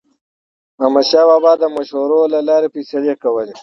احمدشاه بابا به د مشورو له لارې فیصلې کولې.